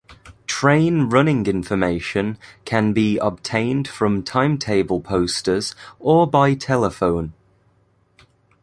Train running information can be obtained from timetable posters or by telephone.